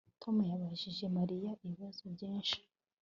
Tom yabajije Mariya ibibazo byinshi